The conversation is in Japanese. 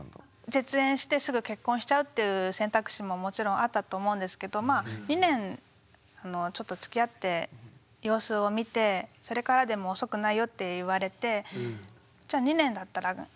絶縁してすぐ結婚しちゃうっていう選択肢ももちろんあったと思うんですけどまあ２年ちょっとつきあって様子を見てそれからでも遅くないよって言われてじゃ２年だったらがんばれそうって思って。